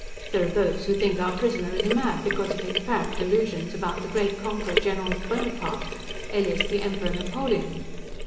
There are those who think our prisoner is mad, because of his apparent delusions about the great conqueror, General Bonaparte, alias the Emperor Napoleon.